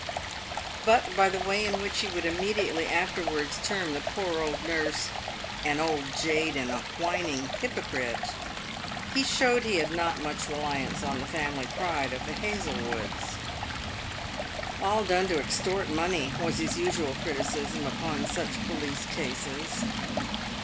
But by the way in which he would immediately afterwards term the poor old nurse " an old jade and a whining hypocrite," he showed he had not much reliance on the family pride of the Hazle woods. " All done to extort money," was his usual criticism upon such police cases.